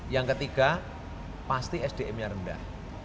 yang ketiga pasti sdm nya rendah